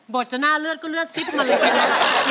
ดจะหน้าเลือดก็เลือดซิบมาเลยใช่ไหม